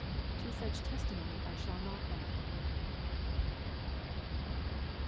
To such testimony I shall not add a word.